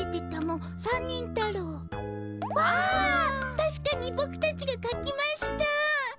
たしかにボクたちが書きました。